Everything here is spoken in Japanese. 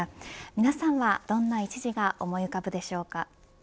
皆さんはどんな一字が思い浮かぶでしょうか。